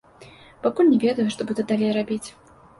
Пакуль не ведаю, што буду далей рабіць.